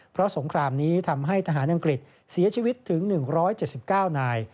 เพราะสงครามนี้ทำให้ทหารอังกฤษเสียชีวิตถึง๑๗๙นาย